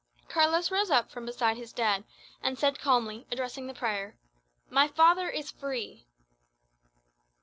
Carlos rose up from beside his dead, and said calmly, addressing the prior, "My father is free!"